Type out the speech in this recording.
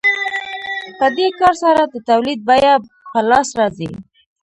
په دې کار سره د تولید بیه په لاس راځي